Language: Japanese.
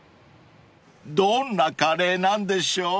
［どんなカレーなんでしょう？］